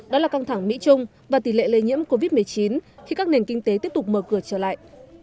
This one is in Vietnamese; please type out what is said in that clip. đó là căng thẳng mỹ trung và tỷ lệ lây nhiễm covid một mươi chín khi các nền kinh tế tiếp tục mở cửa trở lại